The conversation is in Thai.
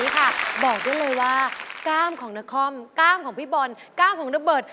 กล้ามของดับเบิร์ด